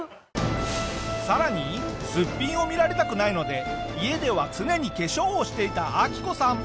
さらにすっぴんを見られたくないので家では常に化粧をしていたアキコさん。